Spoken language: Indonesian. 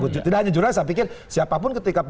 saya pikir siapapun ketika